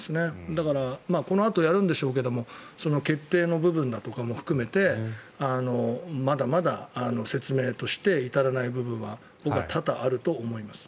だから、このあとやるんでしょうけどその決定の部分とかも含めてまだまだ説明として至らない部分は多々あると思います。